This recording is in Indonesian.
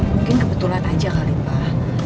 mungkin kebetulan aja kali pak